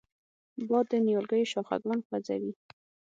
باد د نیالګیو شاخهګان خوځوي